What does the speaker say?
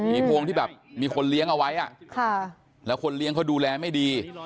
มีพวงที่แบบมีคนเลี้ยงเอาไว้แล้วคนเลี้ยงเขาดูแลไม่ดี